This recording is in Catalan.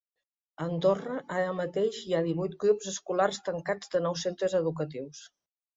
A Andorra, ara mateix hi ha divuit grups escolars tancats de nou centres educatius.